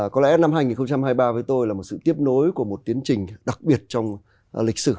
có lẽ năm hai nghìn hai mươi ba với tôi là một sự tiếp nối của một tiến trình đặc biệt trong lịch sử